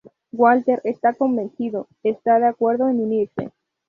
Walther está convencido; está de acuerdo en unirse.